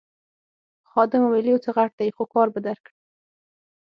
خادم وویل یو څه غټ دی خو کار به درکړي.